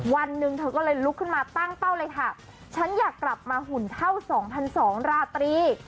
วันหนึ่งเธอก็เลยลุกขึ้นมาตั้งเป้าเลยค่ะฉันอยากกลับมาหุ่นเท่า๒๒๐๐ราตรี